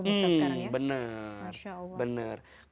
ustadz sekarang ya benar